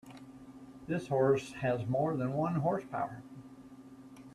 This horse has more than one horse power.